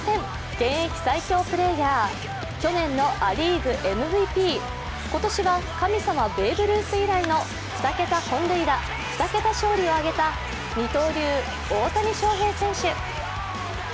現役最強プレーヤー、去年のア・リーグＭＶＰ、今年は神様ベーブ・ルース以来の２桁本塁打２桁勝利をあげた二刀流・大谷翔平選手。